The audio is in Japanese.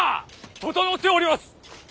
整っております！